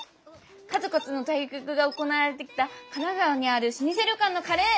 数々の対局が行われてきた神奈川にある老舗旅館の「カレー」！